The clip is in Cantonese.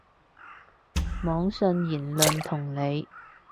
網上言論同理